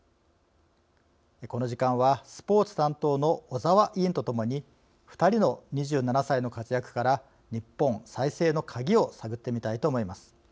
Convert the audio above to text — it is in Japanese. この時間はスポーツ担当の小澤委員とともに２人の２７歳の活躍から日本再生の鍵を探ってみたいと思います。